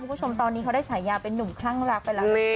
คุณผู้ชมตอนนี้เขาได้ฉายาเป็นนุ่มคลั่งรักไปแล้ว